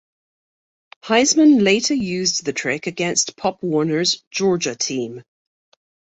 Heisman later used the trick against Pop Warner's Georgia team.